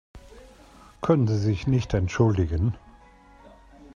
Können Sie sich nicht entschuldigen?